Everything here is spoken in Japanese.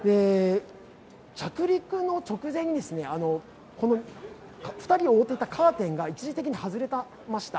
着陸の直前に２人を覆っていたカーテンが一時的に外れました。